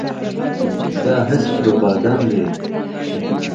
دا هسې پروپاګند دی.